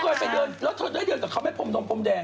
เธอเคยไปเดินแล้วเธอได้เดินส่วนเขาให้ผมดงผมแดง